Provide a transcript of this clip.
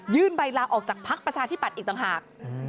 ยื่นใบลาออกจากพักประชาธิปัตย์อีกต่างหาก